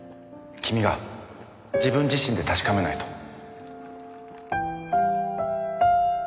君が自分自身で確かめないと。